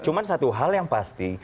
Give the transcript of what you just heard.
cuma satu hal yang pasti